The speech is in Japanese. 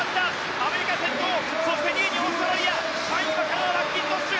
アメリカ先頭そして２位にオーストラリア３位はカナダのマッキントッシュ。